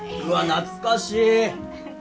懐かしい。